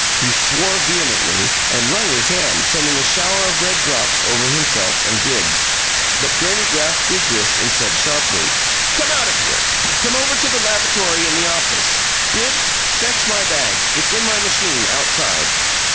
He swore vehemently, and wrung his hand, sending a shower of red drops over himself and Bibbs, but Gurney grasped his wrist, and said, sharply: "Come out of here. Come over to the lavatory in the office. Bibbs, fetch my bag. It's in my machine, outside."